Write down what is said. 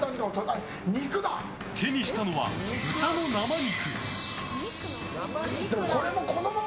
手にしたのは豚の生肉。